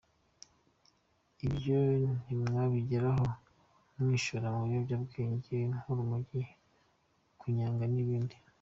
Ibyo ntimwabigeraho mwishora mu biyobyabwenge nk’urumogi, Kanyanga n’ibindi.